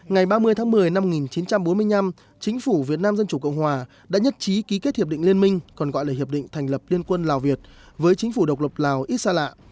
ngày ba mươi tháng một mươi năm một nghìn chín trăm bốn mươi năm chính phủ việt nam dân chủ cộng hòa đã nhất trí ký kết hiệp định liên minh còn gọi là hiệp định thành lập liên quân lào việt với chính phủ độc lập lào ít xa lạ